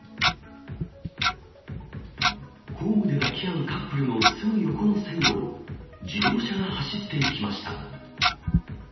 ホームで抱き合うカップルのすぐ横の線路を、自動車が走っていきました。